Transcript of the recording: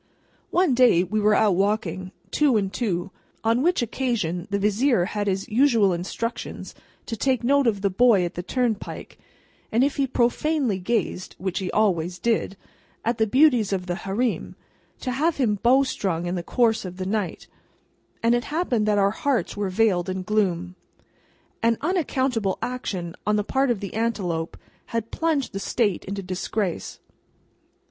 One day, we were out walking, two and two—on which occasion the Vizier had his usual instructions to take note of the boy at the turnpike, and if he profanely gazed (which he always did) at the beauties of the Hareem, to have him bowstrung in the course of the night—and it happened that our hearts were veiled in gloom. An unaccountable action on the part of the antelope had plunged the State into disgrace.